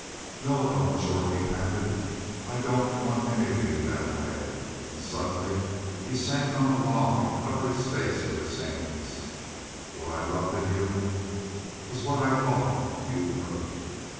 "No Ellen Jorth," he panted, "I don't want any of you that way." And suddenly he sank on the log and covered his face with his hands. "What I loved in you was what I thought you were."